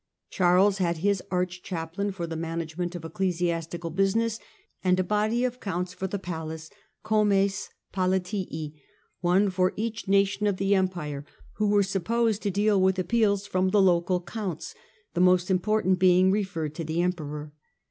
Charles had his archchaplain for the management of ecclesiastical business and a body of Counts of the Palace (comes palatii), one for each nation of the Empire, who were supposed to deal with appeals from the local counts, the most important being referred to the Emperor.